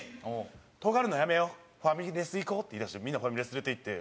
「トガるのやめようファミレス行こう」って言いだしてみんなファミレス連れていって。